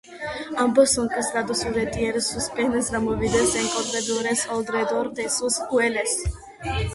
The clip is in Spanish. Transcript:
Ambos son castrados y retienen sus penes removidos en contenedores alrededor de sus cuellos.